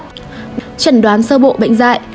trần đoán sơ bộ bệnh dại